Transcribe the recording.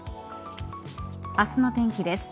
明日の天気です。